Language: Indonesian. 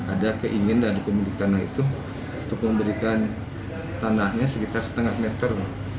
ada keinginan dari pemilik tanah itu untuk memberikan tanahnya sekitar setengah meter